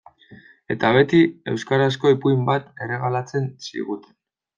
Eta, beti, euskarazko ipuin bat erregalatzen ziguten.